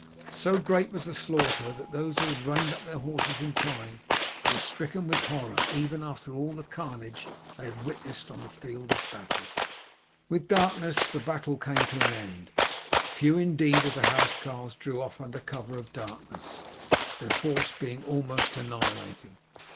So great was the slaughter, that those who had reined up their horses in time were stricken with horror even after all the carnage they had witnessed on the field of battle. With darkness the battle came to an end. Few indeed of the housecarls drew off under cover of the darkness; their force being almost annihilated.